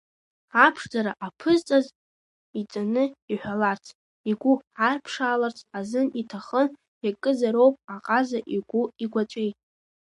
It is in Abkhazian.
Аԥшӡара аԥызҵаз иҵаны иҳәаларц, игәы арԥшааларц азын иҭыхны иакызароуп аҟаза игәи игәаҵәеи.